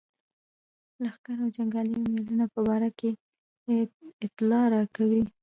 لښکرو او جنګیالیو مېړنو په باره کې اطلاع راکوي.